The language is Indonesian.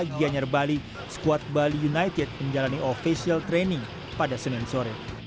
gianyar bali squad bali united menjalani official training pada senin sore